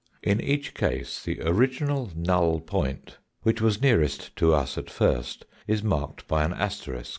In each case the original null point which was nearest to us at first is marked by an asterisk.